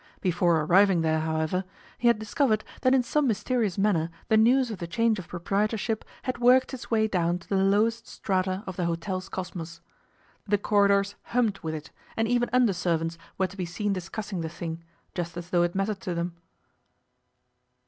Before arriving there, however, he had discovered that in some mysterious manner the news of the change of proprietorship had worked its way down to the lowest strata of the hotel's cosmos. The corridors hummed with it, and even under servants were to be seen discussing the thing, just as though it mattered to them.